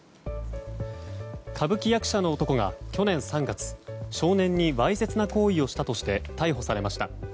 歌舞伎役者の男が去年３月、少年にわいせつな行為をしたとして逮捕されました。